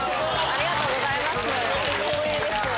ありがとうございます光栄です。